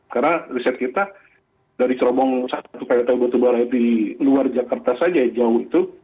karena riset kita dari cerombong satu pyt ugtb lain di luar jakarta saja jauh itu